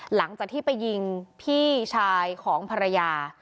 หลังจากที่ไปยิงพี่ชายของภรรยา